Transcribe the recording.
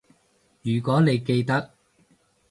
如果你記得